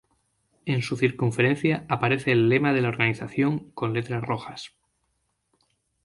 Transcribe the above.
En su circunferencia aparece el lema de la organización con letras rojas.